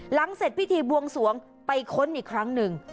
เสร็จพิธีบวงสวงไปค้นอีกครั้งหนึ่ง